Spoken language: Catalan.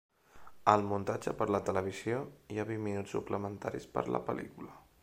Al muntatge per la televisió, hi ha vint minuts suplementaris per la pel·lícula.